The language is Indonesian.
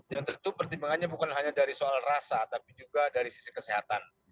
yang tentu pertimbangannya bukan hanya dari soal rasa tapi juga dari sisi kesehatan